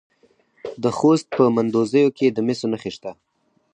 د خوست په مندوزیو کې د مسو نښې شته.